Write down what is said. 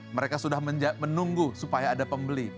mereka sudah menunggu supaya ada pembeli